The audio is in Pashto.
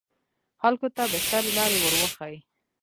خلکو ته بهترې لارې وروښيي